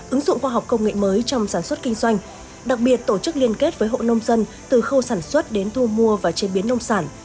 ứng dụng khoa học công nghệ mới trong sản xuất kinh doanh đặc biệt tổ chức liên kết với hộ nông dân từ khâu sản xuất đến thu mua và chế biến nông sản